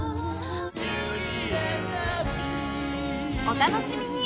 お楽しみに！